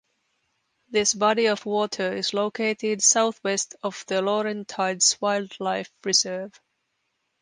This body of water is located southwest of the Laurentides Wildlife Reserve.